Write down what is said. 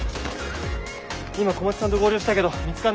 今小松さんと合流したけど見つかんない。